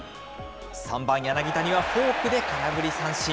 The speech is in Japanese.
３番柳田にはフォークで空振り三振。